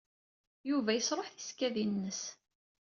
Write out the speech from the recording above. Yuba yesṛuḥ tisekkadin-nnes.